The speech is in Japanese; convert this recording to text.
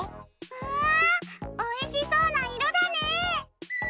わあおいしそうないろだね！